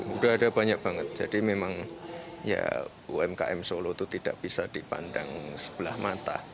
sudah ada banyak banget jadi memang ya umkm solo itu tidak bisa dipandang sebelah mata